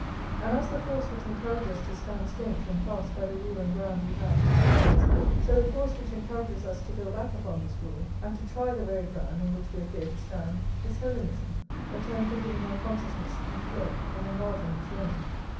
And as the force which encourages us to stand staunch and fast by the rule and ground we have is Hebraism, so the force which encourages us to go back upon this rule, and to try the very ground on which we appear to stand, is Hellenism, a turn for giving our consciousness free play and enlarging its range.